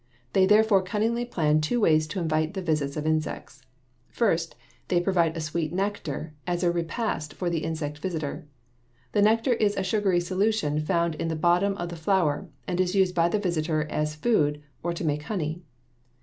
They therefore cunningly plan two ways to invite the visits of insects. First, they provide a sweet nectar as a repast for the insect visitor. The nectar is a sugary solution found in the bottom of the flower and is used by the visitor as food or to make honey.